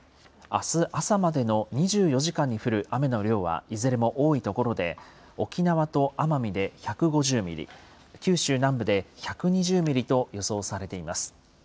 あす朝までの２４時間に降る雨の量はいずれも多い所で、沖縄と奄美で１５０ミリ、九州南部で１２０ミリと予想されています。